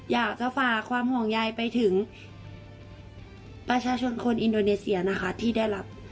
อยากจะฝากความห่วงใยไปถึงประชาชนคนอินโดนีเซียนะคะที่ได้รับ